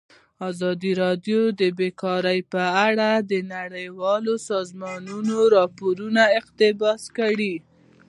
ازادي راډیو د بیکاري په اړه د نړیوالو سازمانونو راپورونه اقتباس کړي.